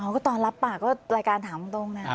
ก็ตอนรับปากก็รายการถามตรงนะ